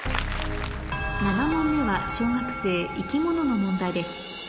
７問目は小学生生き物の問題です